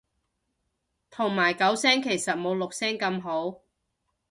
同埋九聲其實冇六聲咁好